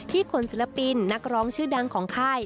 ขนศิลปินนักร้องชื่อดังของค่าย